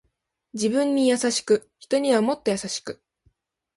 自分に優しく人にはもっと優しく